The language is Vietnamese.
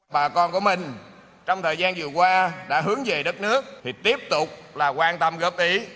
bà con của mình trong thời gian vừa qua đã hướng về đất nước thì tiếp tục là quan tâm góp ý